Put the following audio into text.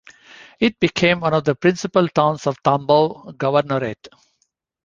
It became one of the principal towns of Tambov Governorate.